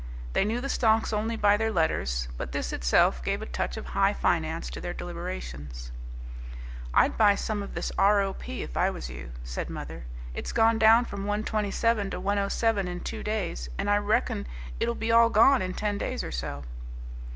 They knew the stocks only by their letters, but this itself gave a touch of high finance to their deliberations. "I'd buy some of this R.O.P. if I was you," said mother; "it's gone down from 127 to 107 in two days, and I reckon it'll be all gone in ten days or so."